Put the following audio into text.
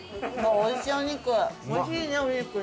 おいしいねお肉ね。